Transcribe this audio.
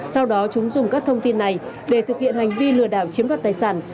sau đó chúng dùng các thông tin này để thực hiện hành vi lừa đảo chiếm đoạt tài sản